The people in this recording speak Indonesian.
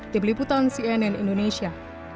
di peliputan cnn indonesia